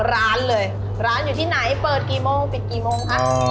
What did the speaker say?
ร้านเลยร้านอยู่ที่ไหนเปิดกี่โมงปิดกี่โมงคะ